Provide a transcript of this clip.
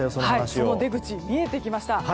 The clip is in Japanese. その出口が見えてきました。